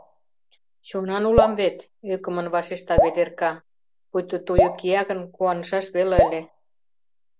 Чонан улам вет, — ӧкымын вашешта Ведерка, пуйто туйо кия гын, куанышаш веле ыле.